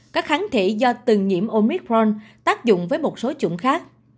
các kháng thể do từng nhiễm omicron tác dụng với một số chủng khác